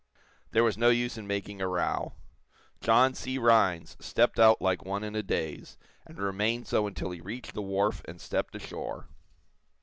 There was no use in making a row. John C. Rhinds stepped out like one in a daze, and remained so until he reached the wharf and stepped ashore.